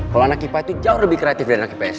kalo anak ipah itu jauh lebih kreatif dari anak ips